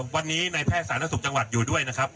วันนี้ในแพทย์สาธารณสุขจังหวัดอยู่ด้วยนะครับ